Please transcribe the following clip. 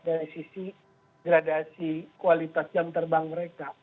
dari sisi gradasi kualitas jam terbang mereka